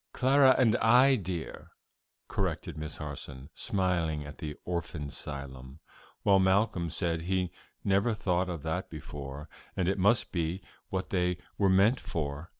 ] "'Clara and I,' dear," corrected Miss Harson, smiling at the "orphan 'sylum," while Malcolm said he had never thought of that before, and it must be what they were meant for.